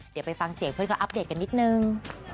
เดี๋ยวไปฟังเสียงเพื่อนเขาอัปเดตกันนิดนึง